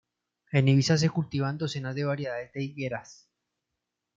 En Ibiza se cultivan docenas de variedades de higueras.